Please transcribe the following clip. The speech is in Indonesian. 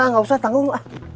nggak usah tanggung